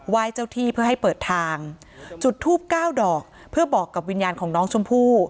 เจ้าที่เพื่อให้เปิดทางจุดทูบเก้าดอกเพื่อบอกกับวิญญาณของน้องชมพู่